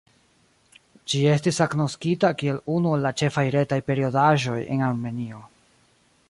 Ĝi estis agnoskita kiel unu el la ĉefaj retaj periodaĵoj en Armenio.